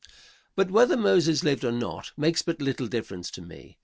But, whether Moses lived or not makes but little difference to me.